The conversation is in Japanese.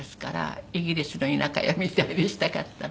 イギリスの田舎家みたいにしたかったので。